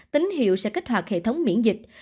tín hiệu sẽ kích hoạt hệ thống miễn dịch